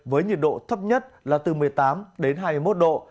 với nhiệt độ thấp nhất là từ một mươi tám đến hai mươi một độ